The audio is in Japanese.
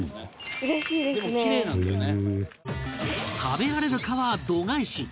食べられるかは度外視